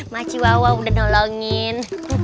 maci wahwa udah nolongin